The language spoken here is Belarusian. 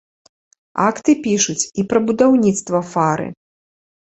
Акты пішуць і пра будаўніцтва фары.